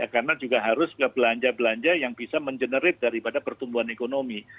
karena juga harus belanja belanja yang bisa mengenerate daripada pertumbuhan ekonomi